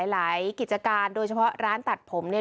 กิจการโดยเฉพาะร้านตัดผมเนี่ย